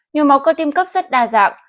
nhồi máu cơ tim cấp rất đa dạng